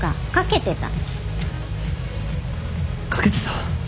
賭けてた？